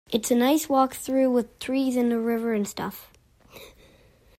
It's a nice walk though, with trees and a river and stuff.